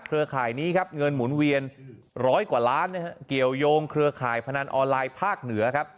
ข่ายนี้ครับเงินหมุนเวียนร้อยกว่าล้านเกี่ยวยงเครือข่ายพนันออนไลน์ภาคเหนือครับ